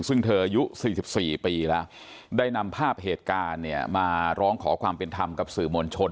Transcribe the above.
ซึ่งเธออายุ๔๔ปีแล้วได้นำภาพเหตุการณ์เนี่ยมาร้องขอความเป็นธรรมกับสื่อมวลชน